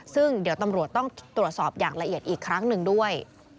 ซึ่งเดี๋ยวตำรวจต้องตรวจสอบอย่างละเอียดอีกครั้งหนึ่งด้วย